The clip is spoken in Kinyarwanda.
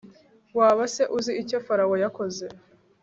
waba se uzi icyo farawo yakoze